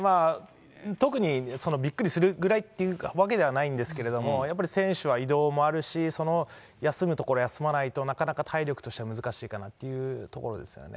特にびっくりするぐらいっていうわけではないんですけれども、やっぱり選手は移動もあるし、その休むところ休まないと、なかなか体力としては難しいかなというところですよね。